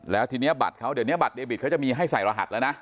แล้วทีนี้บัตรเขาเดี๋ยวนี้บัตรเดบิตเขาจะมีให้ใส่รหัสแล้วนะ